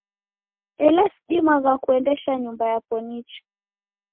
Ela sidimagha kuendesha nyumba yapo nicha.